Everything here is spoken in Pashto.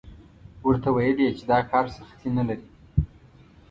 ورته ویل یې چې دا کار سختي نه لري.